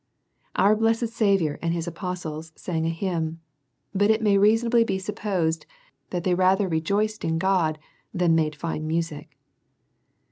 Our blessed Saviour and his apostles sung an hymn, but it may reasonably be supposed that they rather re joiced in God than made fine music.